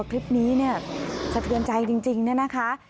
คลิปนี้สะเทียนใจจริงนะคะ